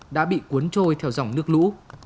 đã bị cuốn trôi theo dòng nước lũ